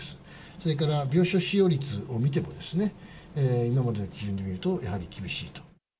それから、病床使用率を見てもですね、今までの基準で見ると、やはり厳しいと。